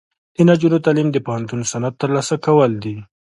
د نجونو تعلیم د پوهنتون سند ترلاسه کول دي.